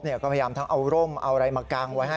ก็พยายามทั้งเอาร่มเอาอะไรมากางไว้ให้